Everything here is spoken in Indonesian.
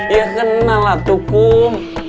ya kenal lah tukum